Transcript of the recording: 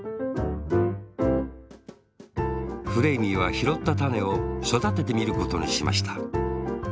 フレーミーはひろったたねをそだててみることにしました